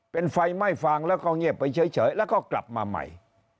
เป็นไฟไหม้ฟางแล้วก็เงียบไปเฉยแล้วก็กลับมาใหม่